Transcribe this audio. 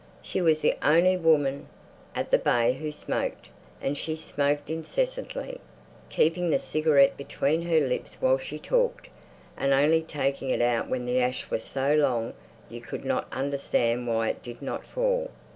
She was the only woman at the Bay who smoked, and she smoked incessantly, keeping the cigarette between her lips while she talked, and only taking it out when the ash was so long you could not understand why it did not fall.